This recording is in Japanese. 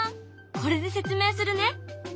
これで説明するね。